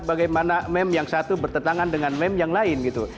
bagaimana meme yang satu bertentangan dengan meme yang lain gitu